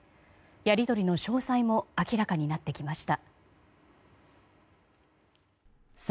やり取りの詳細も明らかになってきました。